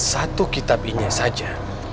satu kitab inyek saja